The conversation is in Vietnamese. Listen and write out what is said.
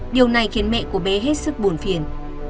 điều này khiến mẹ của bé hết sức buồn phiền